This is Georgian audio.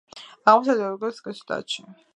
აღმოსავლეთი ეკვატორიის შტატში.